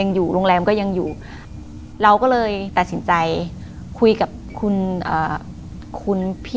หน้าโรงแรมโรงแรมก็ยังอยู่